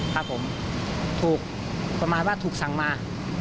ครับผมถูกประมาณว่าถูกสั่งมา